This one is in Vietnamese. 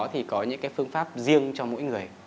thì có những cái phương pháp riêng cho mỗi người